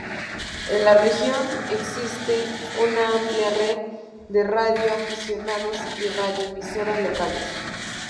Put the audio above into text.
En la región existe una amplia red de radio aficionados y radioemisoras locales.